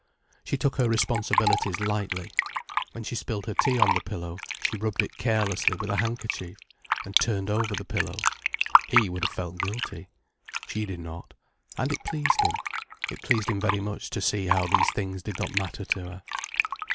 She took her responsibilities lightly. When she spilled her tea on the pillow, she rubbed it carelessly with a handkerchief, and turned over the pillow. He would have felt guilty. She did not. And it pleased him. It pleased him very much to see how these things did not matter to her.